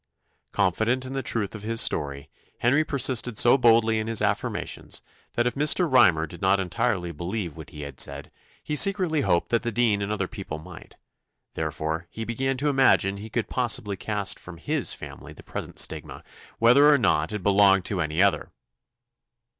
Confident in the truth of his story, Henry persisted so boldly in his affirmations, that if Mr. Rymer did not entirely believe what he said, he secretly hoped that the dean and other people might; therefore he began to imagine he could possibly cast from his family the present stigma, whether or no it belonged to any other.